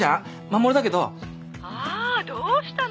☎あっどうしたの？